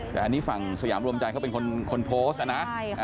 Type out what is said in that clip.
แต่อันนี้สยามโรมใจเป็นคนโพสต์นะเป็นข้อมูลจากทางฝั่งเขา